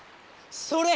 それ！